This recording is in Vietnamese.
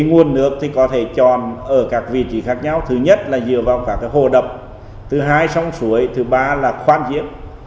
nguồn nước có thể tròn ở các vị trí khác nhau thứ nhất là dựa vào các hồ đập thứ hai sông suối thứ ba là khoan diễn